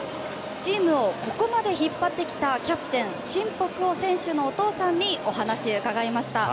チームをここまで引っ張ってきたキャプテン、新保玖和選手のお父さんにお話伺いました。